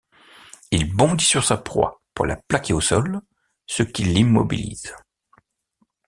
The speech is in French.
Il bondit sur sa proie pour la plaquer au sol, ce qui l'immobilise.